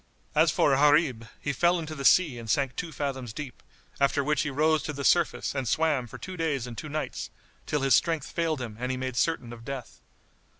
As for Gharib, he fell into the sea and sank two fathoms deep, after which he rose to the surface and swam for two days and two nights, till his strength failed him and he made certain of death.